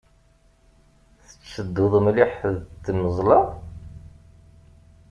Tettedduḍ mliḥ d tmeẓla.